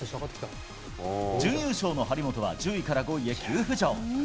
準優勝の張本は、１０位から５位へ急浮上。